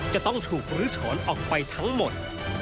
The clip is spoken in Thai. จะต้องถูกลื้อถอนออกไปทั้งหมด